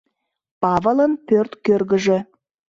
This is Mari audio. Павылын пӧрт кӧргыжӧ.